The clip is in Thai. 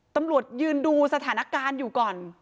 ตำรวจยืนดูสถานการณ์อยู่ก่อน